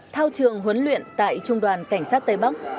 thao trường huấn luyện tại trung đoàn cảnh sát tây bắc